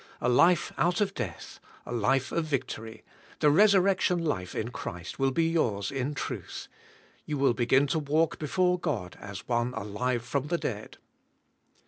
A life out of death, a life of victory, the resurrection life in Christ will be yours in truth; you will begin to walk before God as one alive from the dead.